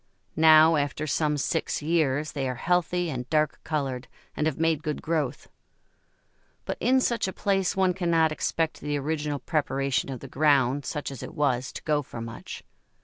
Now, after some six years, they are healthy and dark coloured, and have made good growth. But in such a place one cannot expect the original preparation of the ground, such as it was, to go for much.